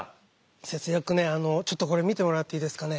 節約ねあのちょっとこれ見てもらっていいですかね？